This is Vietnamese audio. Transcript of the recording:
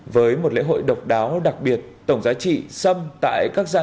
với một lễ hội độc đáo đặc biệt tổng giá trị xâm tại các giai đoạn